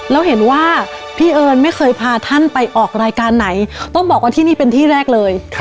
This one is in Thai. แล้วเห็นว่าพี่เอิญไม่เคยพาท่านไปออกรายการไหนต้องบอกว่าที่นี่เป็นที่แรกเลย